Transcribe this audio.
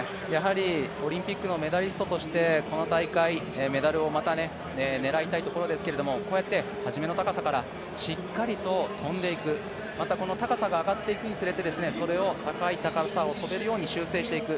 オリンピックのメダリストとしてメダルをまた狙いたいところですけどこうやって、初めの高さからしっかりと跳んでいくこの高さが上がっていくについて、高い高さを跳べるように修正していく